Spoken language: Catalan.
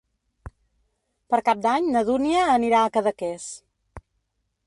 Per Cap d'Any na Dúnia anirà a Cadaqués.